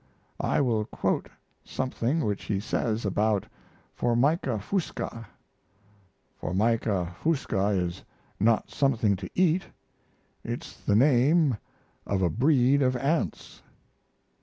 I will quote something which he says about Formica fusca. Formica fusca is not something to eat; it's the name of a breed of ants.